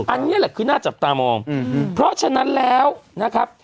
อันนี้แหละคือน่าจับตามองเพราะฉะนั้นแล้วนะครับ